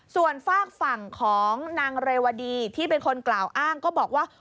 ส่วนฝากฝั่งของนางเรวดีที่เป็นคนกล่าวอ้างก็บอกว่า